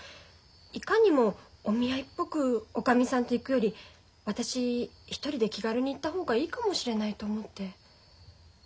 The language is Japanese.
いかにもお見合いっぽくおかみさんと行くより私一人で気軽に行った方がいいかもしれないと思って。